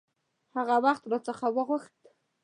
هغه وخت را څخه وغوښت.